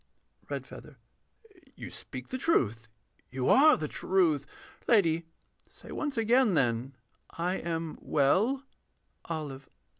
REDFEATHER. You speak the truth you are the Truth Lady, say once again then, 'I am well.' OLIVE.